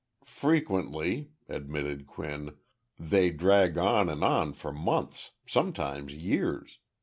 "Frequently," admitted Quinn, "they drag on and on for months sometimes years.